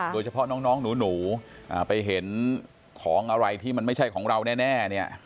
โดยเฉพาะน้องหนูไปเห็นของอะไรที่มันไม่ใช่ของเราแน่เนี่ย